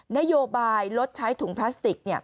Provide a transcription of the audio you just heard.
นโยบายลดใช้ถุงพลาสติก